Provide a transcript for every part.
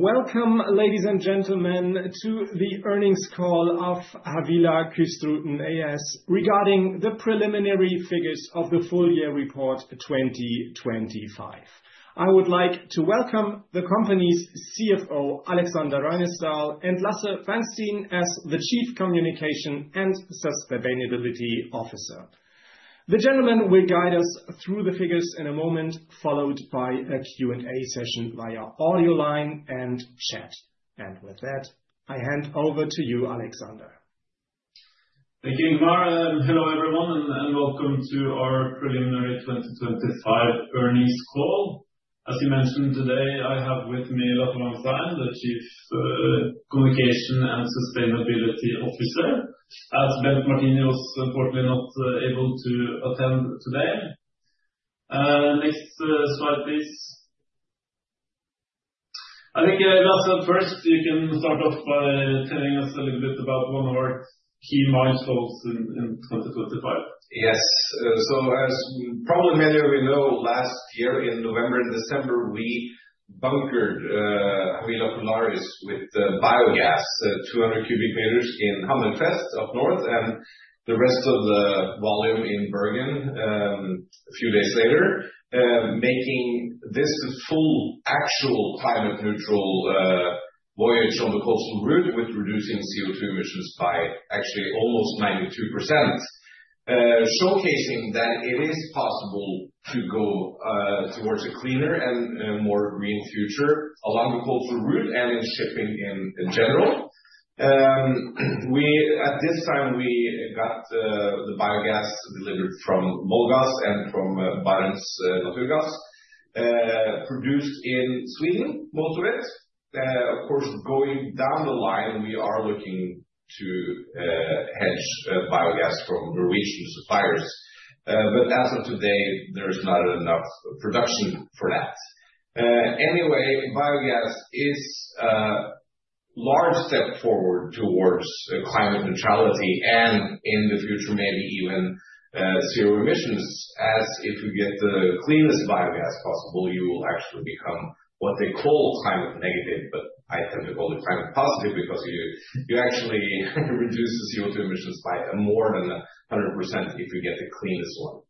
Welcome, ladies and gentlemen, to the earnings call of Havila Kystruten AS, regarding the preliminary figures of the full year report 2025. I would like to welcome the company's CFO, Aleksander Røynesdal, and Lasse Vangstein, as the Chief Communications and Sustainability Officer. The gentleman will guide us through the figures in a moment, followed by a Q&A session via audio line and chat. With that, I hand over to you, Aleksander. Thank you, Tamara. Hello everyone, and welcome to our preliminary 2025 earnings call. As you mentioned today, I have with me Lasse Vangstein, the Chief Communications and Sustainability Officer, as Bent Martini was unfortunately not able to attend today. Next slide, please. I think, Lasse, first you can start off by telling us a little bit about one of our key milestones in 2025. Yes. As probably many of you know, last year in November and December, we bunkered Havila Polaris with biogas, 200 cubic meters in Hammerfest up north, and the rest of the volume in Bergen a few days later. Making this full actual climate neutral voyage on the coastal route, with reducing CO2 emissions by actually almost 92%. Showcasing that it is possible to go towards a cleaner and a more green future along the coastal route and in shipping in general. At this time, we got the biogas delivered from Molgas and from Barents NaturGass, produced in Sweden, most of it. Of course, going down the line, we are looking to hedge biogas from Norwegian suppliers, as of today there is not enough production for that. Anyway, biogas is a large step forward towards climate neutrality and in the future, maybe even zero emissions. If you get the cleanest biogas possible, you will actually become what they call climate negative, but I tend to call it climate positive, because you actually reduce the CO2 emissions by more than 100% if you get the cleanest one.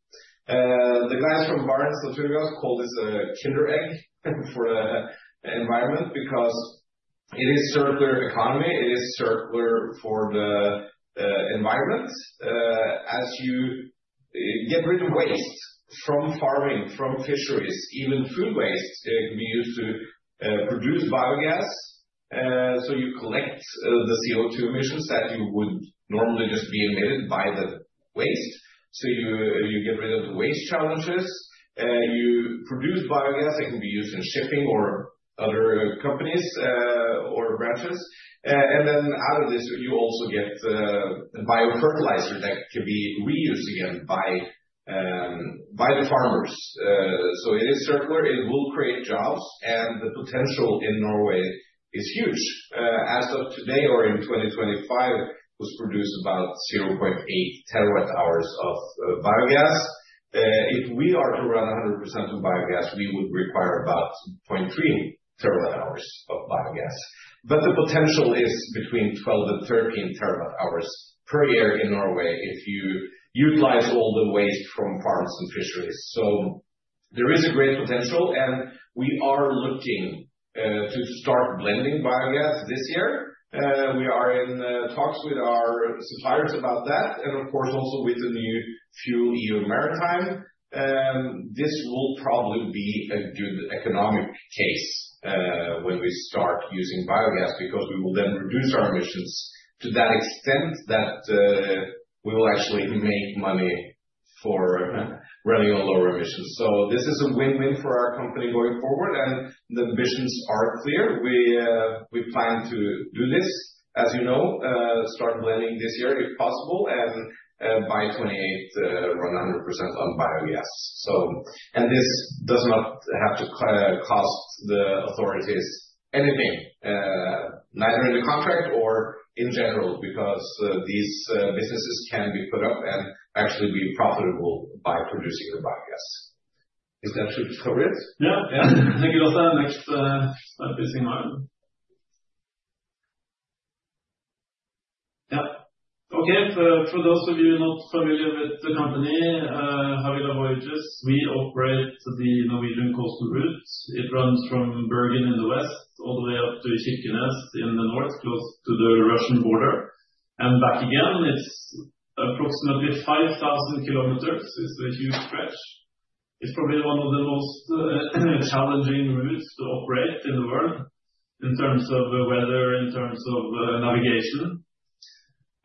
The guys from Barents NaturGass call this a kinder egg for the environment because it is circular economy, it is circular for the environment, as you get rid of waste from farming, from fisheries, even food waste, it can be used to produce biogas. You collect the CO2 emissions that you would normally just be emitted by the waste. You, you get rid of the waste challenges, you produce biogas, it can be used in shipping or other companies or branches. Out of this, you also get biofertilizer that can be reused again by the farmers. It is circular, it will create jobs, the potential in Norway is huge. As of today or in 2025, was produced about 0.8 TWh of biogas. If we are to run 100% of biogas, we would require about 0.3 TWh of biogas. The potential is between 12 TWh-13 TWh per year in Norway, if you utilize all the waste from farms and fisheries. There is a great potential, we are looking to start blending biogas this year. We are in talks with our suppliers about that, and of course also with the new FuelEU Maritime. This will probably be a good economic case when we start using biogas, because we will then reduce our emissions to that extent that we will actually make money for running on lower emissions. This is a win-win for our company going forward, and the missions are clear. We plan to do this, as you know, start blending this year, if possible, and by 2028 run 100% on biogas. This does not have to cost the authorities anything, neither in the contract or in general, because these businesses can be put up and actually be profitable by producing the biogas. Is that should cover it? Yeah. Yeah. Thank you, Lasse. Next slide, please, Ingvar. Okay, for those of you not familiar with the company, Havila Voyages, we operate the Norwegian coastal routes. It runs from Bergen in the west, all the way up to Kirkenes in the north, close to the Russian border, and back again. It's approximately 5,000 km. It's a huge stretch. It's probably one of the most challenging routes to operate in the world in terms of the weather, in terms of navigation.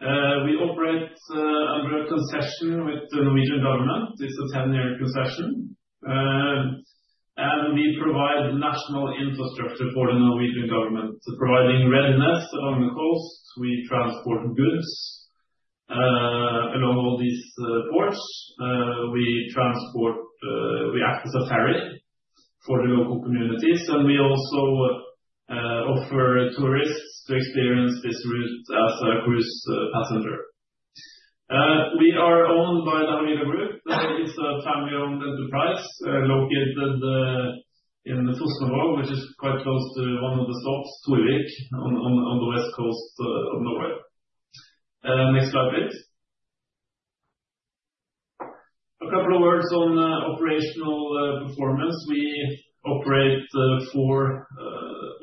We operate under a concession with the Norwegian government. It's a 10-year concession. We provide national infrastructure for the Norwegian government, providing readiness along the coast. We transport goods along all these ports. We transport, we act as a ferry for the local communities, and we also offer tourists to experience this route as a cruise passenger. we are owned by the Havila Group. That is a family-owned enterprise, located in the Fosnavåg, which is quite close to one of the stops, Sævik, on the west coast of Norway. Next slide, please. A couple of words on operational performance. We operate four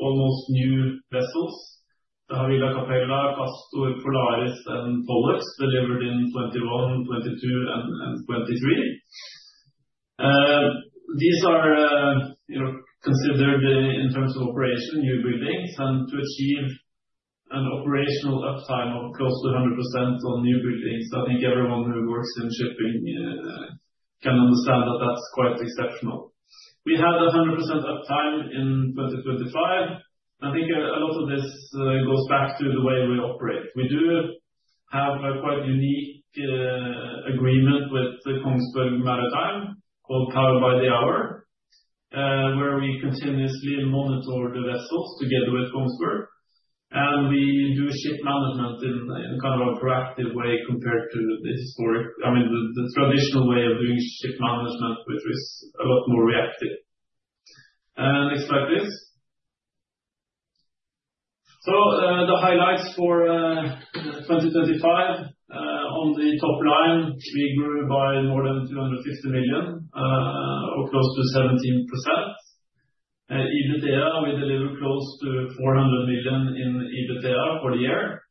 almost new vessels, the Havila Capella, Castor, Polaris, and Pollux, delivered in 2021, 2022 and 2023. These are, you know, considered in terms of operation, new buildings, and to achieve an operational uptime of close to 100% on new buildings, I think everyone who works in shipping can understand that that's quite exceptional. We had 100% uptime in 2025. I think a lot of this goes back to the way we operate. We do have a quite unique agreement with Kongsberg Maritime, called Power-by-the-Hour, where we continuously monitor the vessels together with Kongsberg, and we do ship management in kind of a proactive way compared to I mean, the traditional way of doing ship management, which is a lot more reactive. Next slide, please. The highlights for 2025 on the top line, we grew by more than 260 million or close to 17%. EBITDA, we delivered close to 400 million in EBITDA for the year.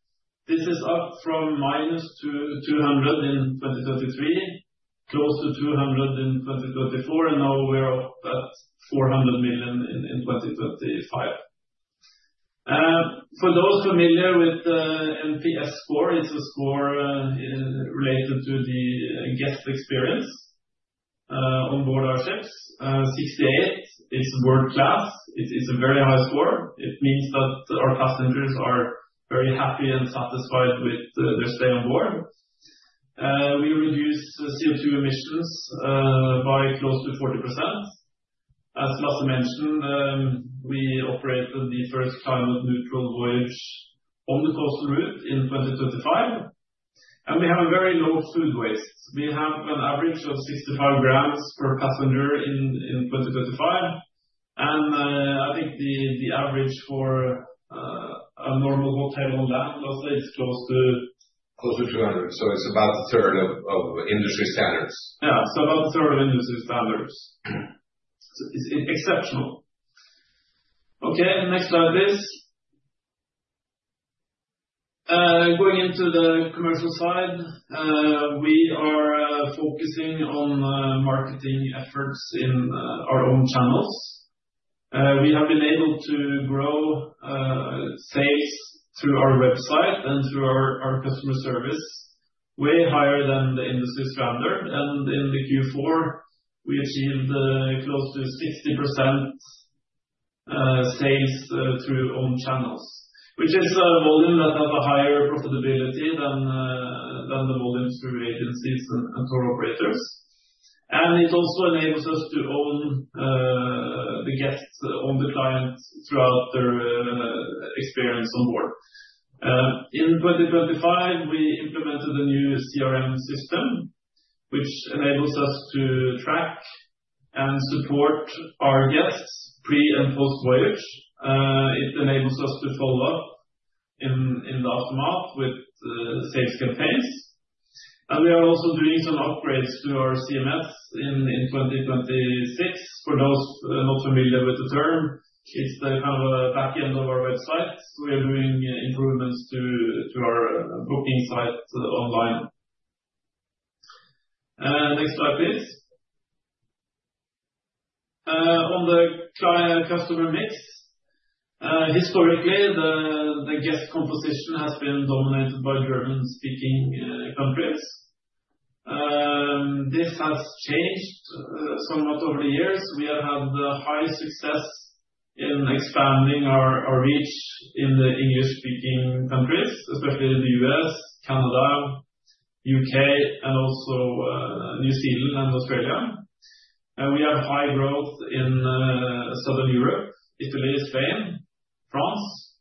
This is up from -200 in 2023, close to 200 in 2024, and now we are up at 400 million in 2025. For those familiar with the NPS score, it's a score related to the guest experience on board our ships. 68 is world class. It is a very high score. It means that our passengers are very happy and satisfied with their stay on board. We reduced CO2 emissions by close to 40%. As Lasse mentioned, we operated the first climate neutral voyage on the coastal route in 2025, and we have a very low food waste. We have an average of 65 grams per passenger in 2025. I think the average for a normal hotel on that, Lasse, it's close to. Close to 200, so it's about a third of industry standards. Yeah, it's about a third of industry standards. It's exceptional. Okay, next slide, please. Going into the commercial side, we are focusing on marketing efforts in our own channels. We have been able to grow sales through our website and through our customer service, way higher than the industry standard, and in the Q4, we achieved close to 60% sales through own channels, which is a volume that have a higher profitability than the volumes through agencies and tour operators. It also enables us to own the guests on the client throughout their experience on board. In 2025, we implemented a new CRM system, which enables us to track and support our guests pre and post voyage. It enables us to follow up in the aftermath with sales campaigns, and we are also doing some upgrades to our CMS in 2026. For those not familiar with the term, it's the kind of a back end of our website. We are doing improvements to our booking site online. Next slide, please. On the client customer mix, historically, the guest composition has been dominated by German-speaking countries. This has changed somewhat over the years. We have had high success in expanding our reach in the English-speaking countries, especially in the U.S., Canada, U.K., and also New Zealand and Australia. We have high growth in Southern Europe, Italy, Spain, France,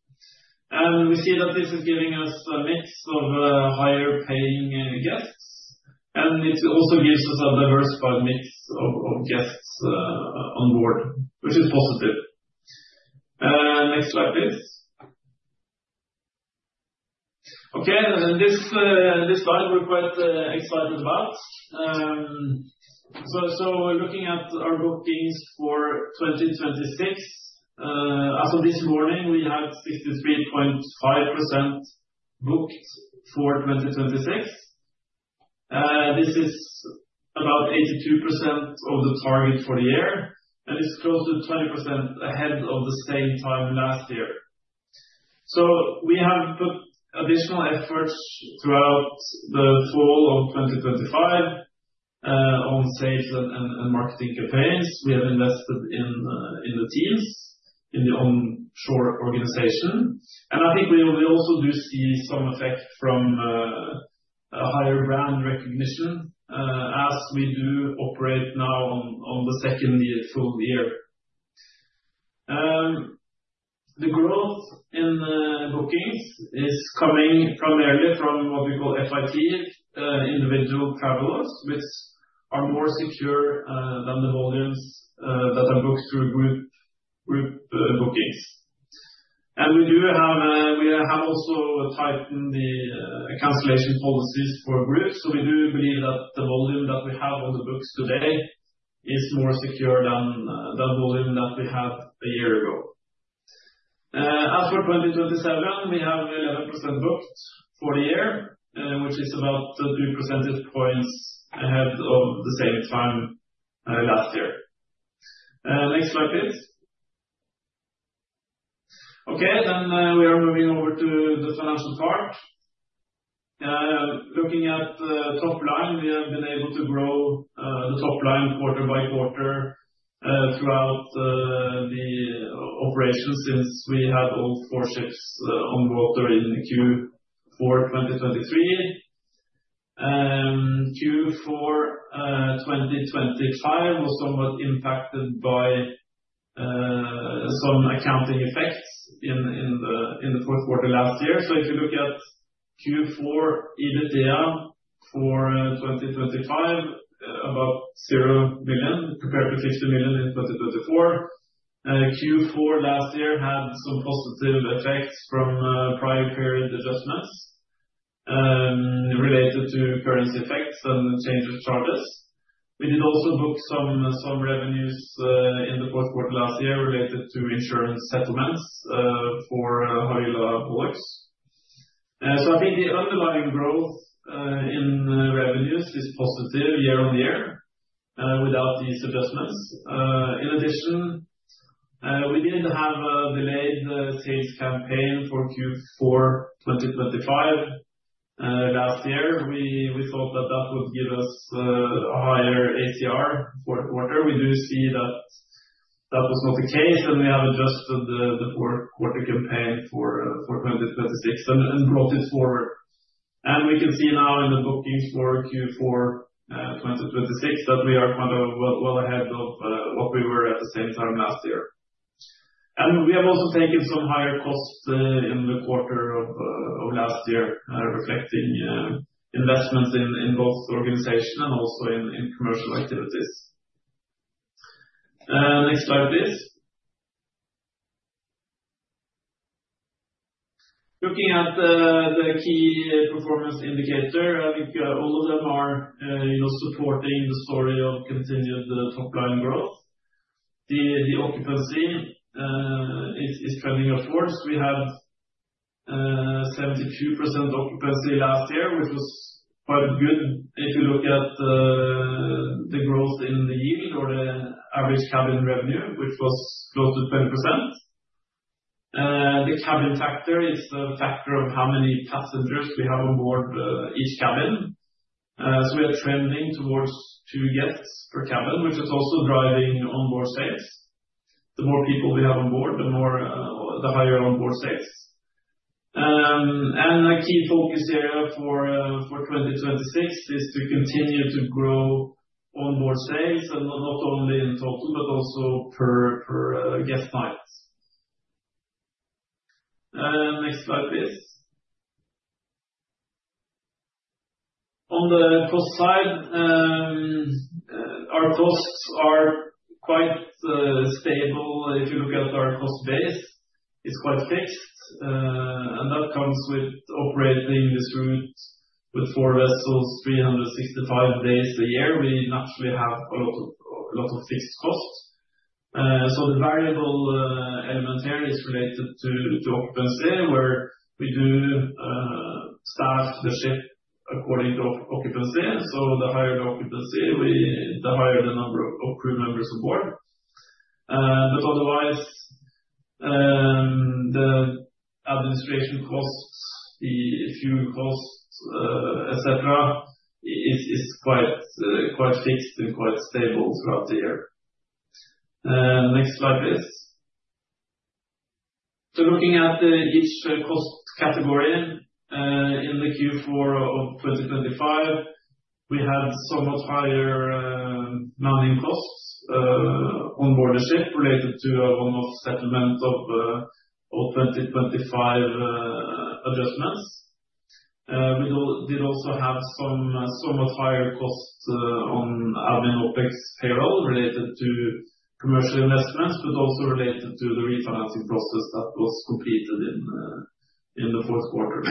and we see that this is giving us a mix of higher paying guests, and it also gives us a diversified mix of guests on board, which is positive. Next slide, please. This slide, we're quite excited about. We're looking at our bookings for 2026. As of this morning, we have 63.5% booked for 2026. This is about 82% of the target for the year, and it's close to 20% ahead of the same time last year. We have put additional efforts throughout the fall of 2025 on sales and marketing campaigns. We have invested in the teams, in the onshore organization. I think we also do see some effect from a higher brand recognition as we do operate now on the second year, full year. The growth in the bookings is coming primarily from what we call FIT, individual travelers, which are more secure than the volumes that are booked through group bookings. We do have, we have also tightened the cancellation policies for groups. We do believe that the volume that we have on the books today is more secure than the volume that we had a year ago. As for 2027, we have 11% booked for the year, which is about 3 percentage points ahead of the same time last year. Next slide, please. Okay, we are moving over to the financial part. Looking at the top line, we have been able to grow the top line quarter by quarter throughout the operation since we had all four ships on water in Q4, 2023. Q4, 2025 was somewhat impacted by some accounting effects in the fourth quarter last year. If you look at Q4 EBITDA for 2025, about 0 million, compared to 60 million in 2024. Q4 last year had some positive effects from prior period adjustments related to currency effects and change of charges. We did also book some revenues in the fourth quarter last year related to insurance settlements for our Havila Polaris. I think the underlying growth in revenues is positive year-on-year without these adjustments. In addition, we did have a delayed sales campaign for Q4 2025. Last year, we thought that that would give us a higher ADR for the quarter. We do see that that was not the case, and we have adjusted the four quarter campaign for 2026 and brought it forward. We can see now in the bookings for Q4 2026 that we are kind of well ahead of what we were at the same time last year. We have also taken some higher costs in the quarter of last year, reflecting investments in both organization and also in commercial activities. Next slide, please. Looking at the key performance indicator, I think, all of them are, you know, supporting the story of continued top line growth. The occupancy is trending upwards. We had, 72% occupancy last year, which was quite good if you look at the growth in the yield or the average cabin revenue, which was close to 20%. The cabin factor is the factor of how many passengers we have on board, each cabin. So we are trending towards 2 guests per cabin, which is also driving on board sales. The more people we have on board, the more, the higher on board sales. A key focus area for 2026 is to continue to grow on more sales, and not only in total, but also per guest nights. Next slide, please. On the cost side, our costs are quite stable. If you look at our cost base, it's quite fixed, and that comes with operating this route with four vessels, 365 days a year. We naturally have a lot of fixed costs. The variable element here is related to occupancy, where we do staff the ship according to occupancy. The higher the occupancy, the higher the number of crew members on board. Otherwise, the administration costs, the few costs, et cetera, is quite fixed and quite stable throughout the year. Next slide, please. Looking at each cost category in the Q4 of 2025, we had somewhat higher manning costs on board a ship related to almost settlement of all 2025 adjustments. We did also have somewhat higher costs on admin OpEx payroll related to commercial investments, but also related to the refinancing process that was completed in the fourth quarter.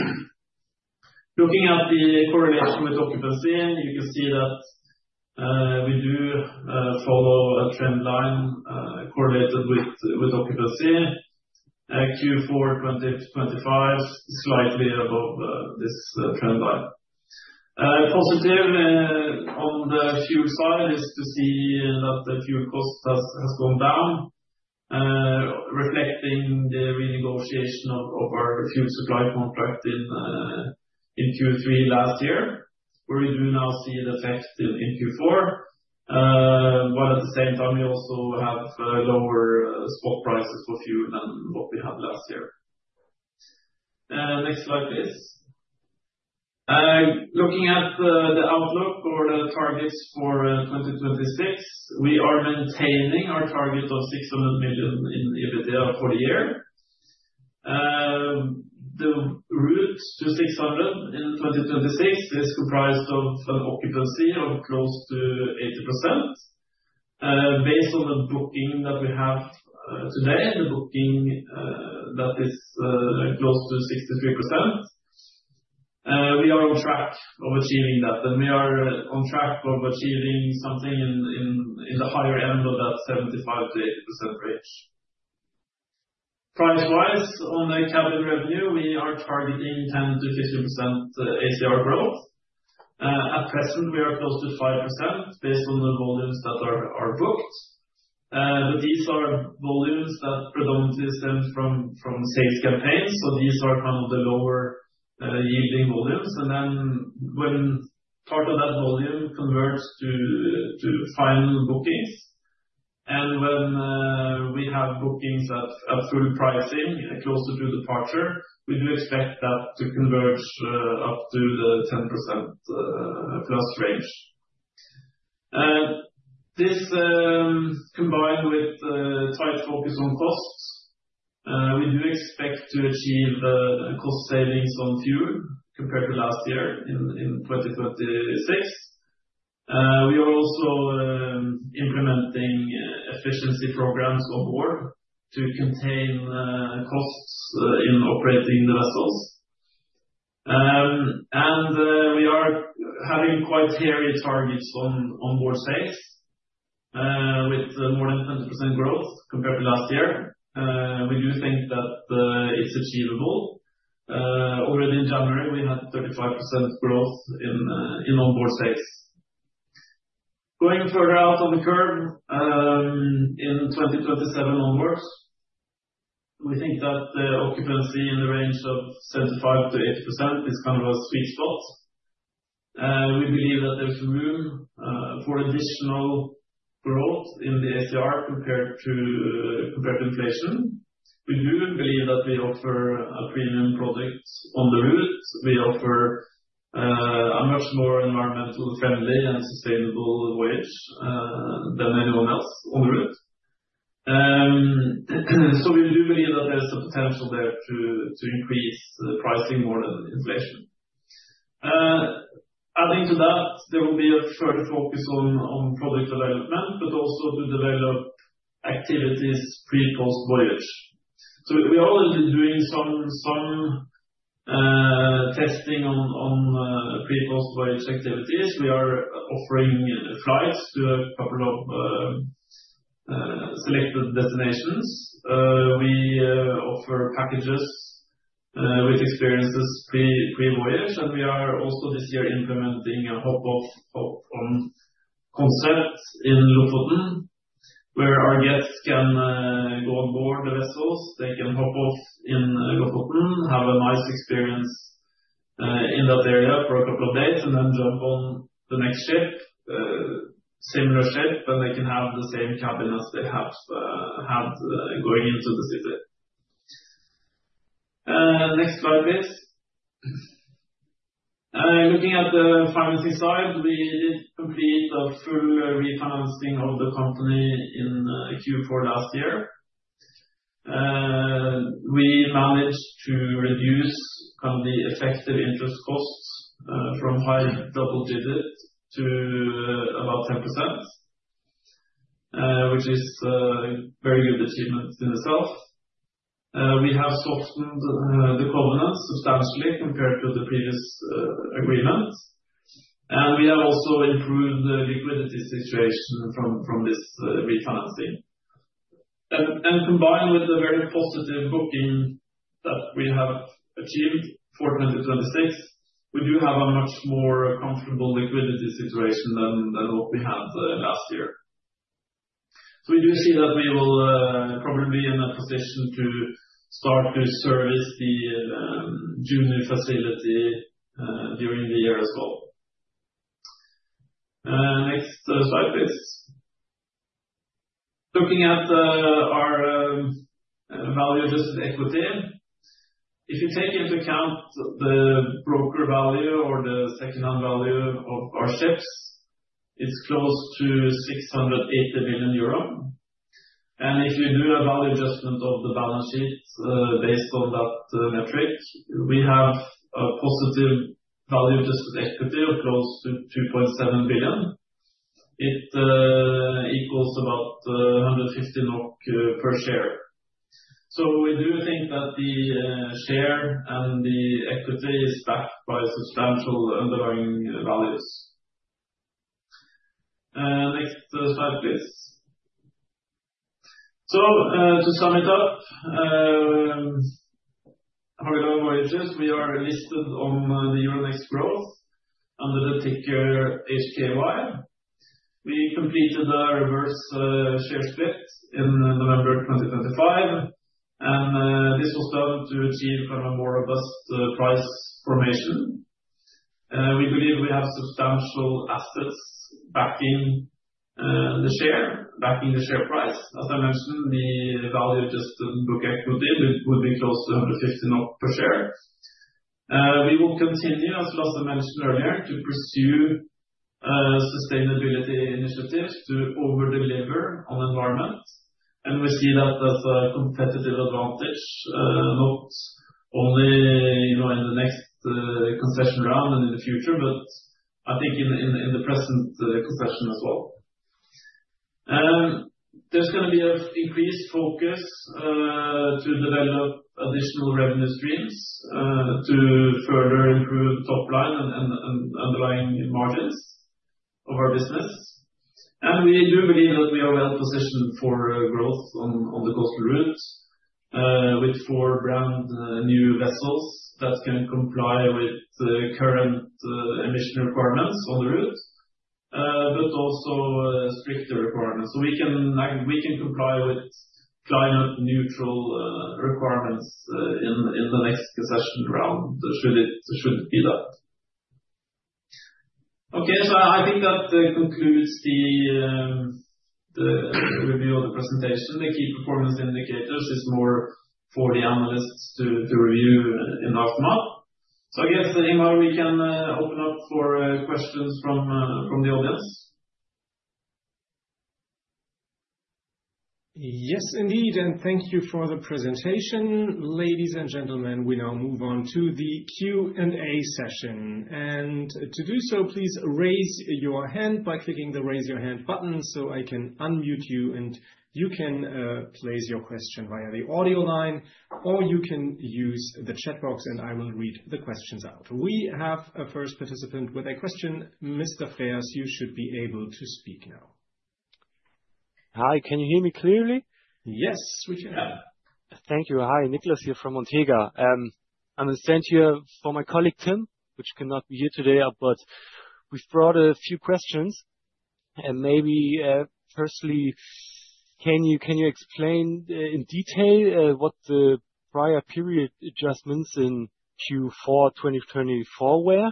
Looking at the correlation with occupancy, you can see that we do follow a trend line correlated with occupancy. Q4 2025, slightly above this trend line. Positive on the fuel side is to see that the fuel cost has gone down reflecting the renegotiation of our fuel supply contract in Q3 last year, where we do now see the effect in Q4. At the same time, we also have lower spot prices for fuel than what we had last year. Next slide, please. Looking at the outlook or the targets for 2026, we are maintaining our target of 600 million in EBITDA for the year. The route to 600 million in 2026 is comprised of an occupancy of close to 80%. Based on the booking that we have today, the booking that is close to 63%. We are on track of achieving that, and we are on track of achieving something in the higher end of that 75%-8% range. Price-wise, on the cabin revenue, we are targeting 10%-15% ACR growth. At present, we are close to 5% based on the volumes that are booked. These are volumes that predominantly stem from sales campaigns, so these are kind of the lower yielding volumes. When part of that volume converts to final bookings, and when we have bookings at full pricing, closer to departure, we do expect that to converge up to the 10% plus range. This combined with tight focus on costs, we do expect to achieve cost savings on fuel compared to last year in 2026. We are also implementing efficiency programs on board to contain costs in operating the vessels. We are having quite hairy targets on onboard sales with more than 20% growth compared to last year. We do think that it's achievable. Already in January, we had 35% growth in onboard sales. Going further out on the curve, in 2027 onwards, we think that the occupancy in the range of 75%-80% is kind of a sweet spot. We believe that there's room for additional growth in the ADR compared to inflation. We do believe that we offer a premium product on the route. We offer a much more environmental, friendly, and sustainable voyage than anyone else on the route. We do believe that there's a potential there to increase the pricing more than inflation. Adding to that, there will be a further focus on product development, but also to develop activities pre/post voyage. We already doing some testing on pre/post voyage activities. We are offering flights to a couple of selected destinations. We offer packages with experiences pre-voyage, and we are also this year implementing a hop-off, hop-on concept in Lofoten, where our guests can go on board the vessels. They can hop off in Lofoten, have a nice experience in that area for a couple of days, and then jump on the next ship, similar ship, and they can have the same cabin as they have had going into the city. Next slide, please. Looking at the financing side, we did complete a full refinancing of the company in Q4 last year. We managed to reduce kind of the effective interest costs from high double digits to about 10%, which is very good achievement in itself. We have softened the covenants substantially compared to the previous agreements, and we have also improved the liquidity situation from this refinancing. Combined with a very positive booking that we have achieved for 2026, we do have a much more comfortable liquidity situation than what we had last year. We do see that we will probably be in a position to start to service the junior facility during the year as well. Next slide, please. Looking at our value adjusted equity, if you take into account the broker value or the second-hand value of our ships, it's close to 680 million euro. If you do a value adjustment of the balance sheet, based on that metric, we have a positive value adjusted equity of close to 2.7 billion. It equals about 150 NOK per share. We do think that the share and the equity is backed by substantial underlying values. Next slide, please. To sum it up, for our voyages, we are listed on the Euronext Growth under the ticker HKY. We completed a reverse share split in November of 2025, and this was done to achieve kind of a more or less price formation. We believe we have substantial assets backing the share, backing the share price. As I mentioned, the value of just the book equity would be close to NOK 150 per share. We will continue, as Lasse mentioned earlier, to pursue sustainability initiatives to over-deliver on environment. We see that as a competitive advantage, not only, you know, in the next concession round and in the future, but I think in the present concession as well. There's gonna be an increased focus to develop additional revenue streams to further improve top line and underlying margins of our business. We do believe that we are well positioned for growth on the coastal routes, with four brand new vessels that can comply with the current emission requirements on the route, but also stricter requirements. We can comply with climate neutral requirements in the next concession round, should it be that. Okay, I think that concludes the review of the presentation. The key performance indicators is more for the analysts to review in the aftermath. I guess, Ingvar, we can open up for questions from the audience. Yes, indeed. Thank you for the presentation. Ladies and gentlemen, we now move on to the Q&A session. To do so, please raise your hand by clicking the Raise Your Hand button, so I can unmute you, and you can place your question via the audio line, or you can use the chat box, and I will read the questions out. We have a first participant with a question. Mr. Frers, you should be able to speak now. Hi, can you hear me clearly? Yes, we can. Thank you. Hi, Nicklas here from Montega. I'm sent here for my colleague, Tim, which cannot be here today, but we've brought a few questions. Maybe, firstly, can you explain in detail what the prior period adjustments in Q4 2024 were?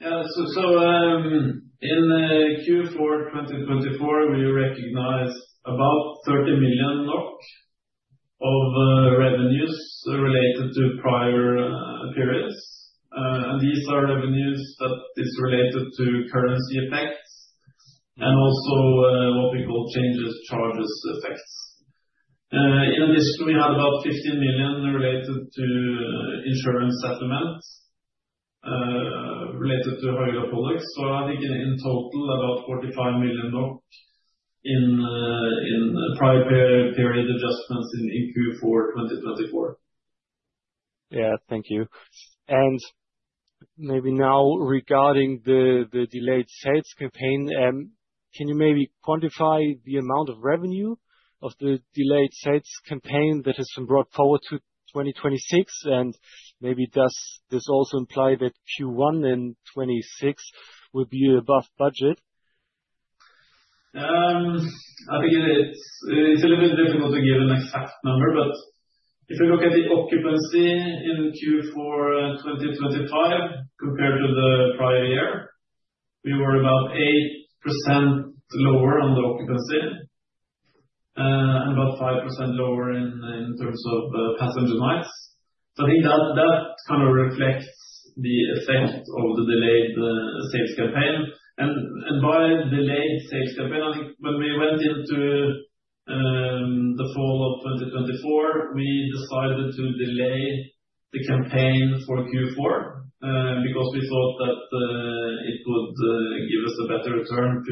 In Q4 2024, we recognized about 30 million of revenues related to prior periods. These are revenues that is related to currency effects and also what we call changes charges effects. In addition, we had about 15 million related to insurance settlements related to hire proceeds. I think in total, about 45 million in prior period adjustments in Q4 2024. Yeah. Thank you. Maybe now, regarding the delayed sales campaign, can you maybe quantify the amount of revenue of the delayed sales campaign that has been brought forward to 2026? Maybe does this also imply that Q1 in 2026 will be above budget? I think it's a little bit difficult to give an exact number, but if you look at the occupancy in Q4 2025 compared to the prior year, we were about 8% lower on the occupancy, and about 5% lower in terms of passenger nights. I think that kind of reflects the effect of the delayed sales campaign. By delayed sales campaign, I think when we went into the fall of 2024, we decided to delay the campaign for Q4, because we thought that it would give us a better return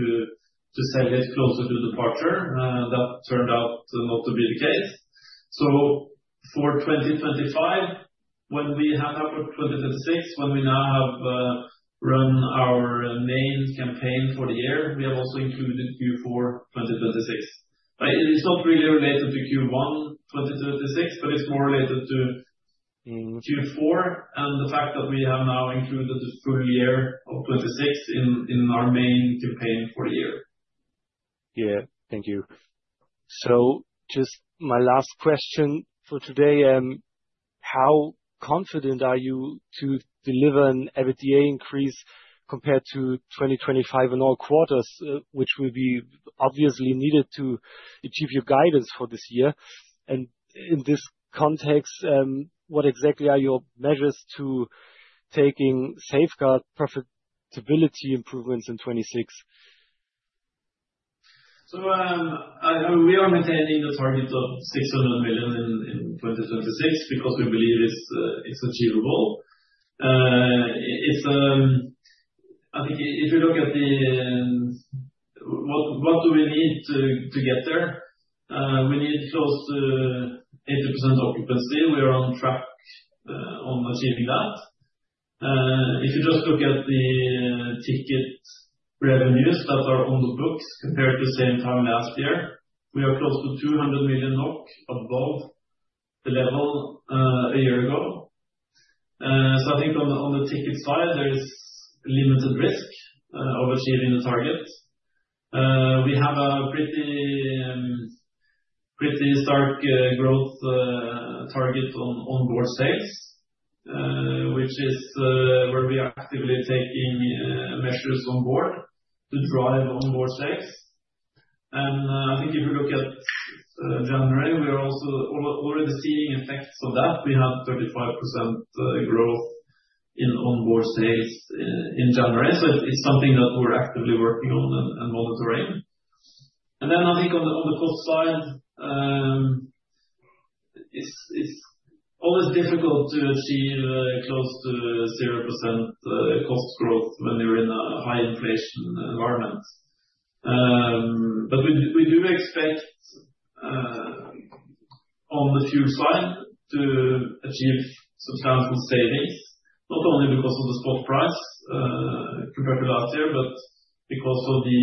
to sell it closer to departure. That turned out not to be the case. For 2026, when we now have run our main campaign for the year, we have also included Q4 2026. It's not really related to Q1 2026, but it's more related to Q4 and the fact that we have now included the full year of 2026 in our main campaign for the year. Yeah. Thank you. Just my last question for today, how confident are you to deliver an EBITDA increase compared to 2025 in all quarters, which will be obviously needed to achieve your guidance for this year? In this context, what exactly are your measures to taking safeguard profitability improvements in 2026? We are maintaining a target of 600 million in 2026, because we believe it's achievable. It's I think if you look at what do we need to get there? We need close to 80% occupancy. We are on track on achieving that. If you just look at the ticket revenues that are on the books compared to the same time last year, we are close to NOK 200 million above the level a year ago. I think on the ticket side, there is limited risk of achieving the target. We have a pretty stark growth target on onboard sales, which is where we are actively taking measures on board to drive onboard sales. I think if you look at January, we are also already seeing effects of that. We have 35% growth in onboard sales in January, so it's something that we're actively working on and monitoring. Then I think on the cost side, it's always difficult to achieve close to 0% cost growth when you're in a high inflation environment. We do expect on the fuel side to achieve substantial savings, not only because of the spot price compared to last year, but because of the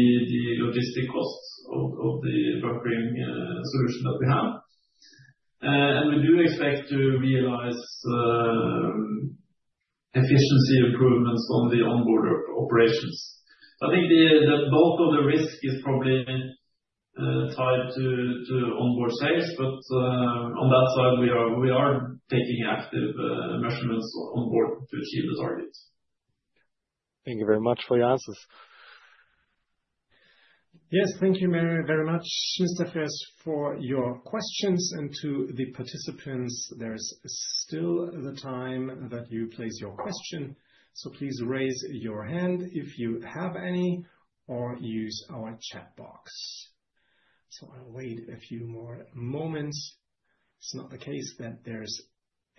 logistic costs of the buffering solution that we have. We do expect to realize efficiency improvements on the onboard operations. I think the bulk of the risk is probably tied to onboard sales, but on that side, we are taking active measurements on board to achieve those targets. Thank you very much for your answers. Yes, thank you very, very much, Mr. Frers, for your questions. To the participants, there is still the time that you place your question. Please raise your hand if you have any, or use our chat box. I'll wait a few more moments. It's not the case that there's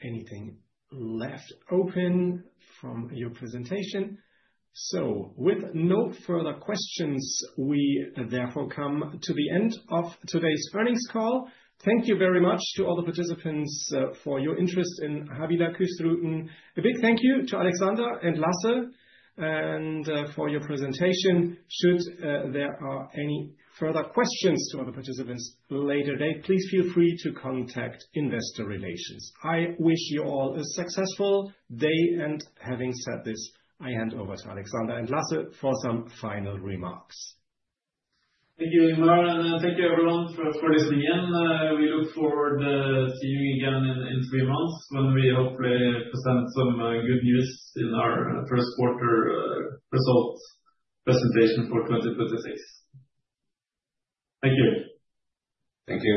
anything left open from your presentation. With no further questions, we therefore come to the end of today's earnings call. Thank you very much to all the participants for your interest in Havila Kystruten. A big thank you to Aleksander and Lasse for your presentation. Should there are any further questions to other participants later today, please feel free to contact investor relations. I wish you all a successful day. Having said this, I hand over to Aleksander and Lasse for some final remarks. Thank you, Ingvar, and thank you everyone for listening in. We look forward to seeing you again in three months, when we hopefully present some good news in our first quarter results presentation for 2026. Thank you. Thank you.